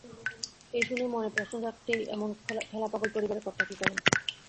এ শুনে মনে প্রশ্ন জাগতেই এমন খেলাপাগল পরিবারের কর্তা কী করেন?